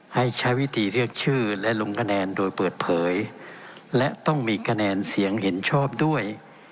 ให้ใช้วิธีเรียกชื่อและลงคะแนนโดยเปิดเผยและต้องมีคะแนนเสียงเห็นชอบด้วย